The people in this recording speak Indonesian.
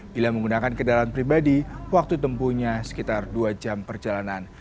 bila menggunakan kendaraan pribadi waktu tempuhnya sekitar dua jam perjalanan